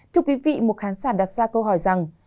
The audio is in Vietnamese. thưa quý vị một khán giả đặt ra câu hỏi rằng